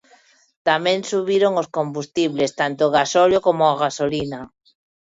Tamén subiron os combustibles, tanto o gasóleo como a gasolina.